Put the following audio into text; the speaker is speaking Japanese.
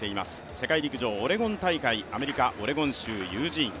世界陸上オレゴン大会、アメリカオレゴン州ユージーン。